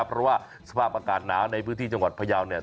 เพราะว่าสภาพอากาศหนาวในพื้นที่จังหวัดพยาวเนี่ย